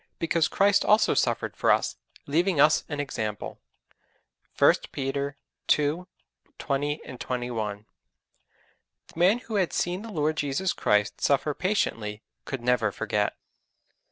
because Christ also suffered for us, leaving us an example._' (1 Peter ii. 20, 21.) The man who had seen the Lord Jesus Christ suffer patiently could never forget.